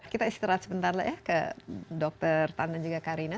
kita istirahat sebentar lah ya ke dr tan dan juga karina